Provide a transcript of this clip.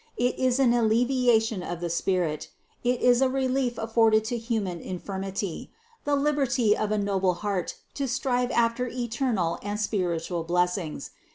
It is an alleviation of the spirit, it is a relief afforded to human infirmity, the liberty of a noble heart to strive after eternal and spiritual blessings.